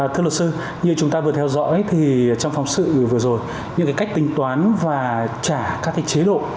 thưa luật sư như chúng ta vừa theo dõi thì trong phòng sự vừa rồi những cách tính toán và trả các chế độ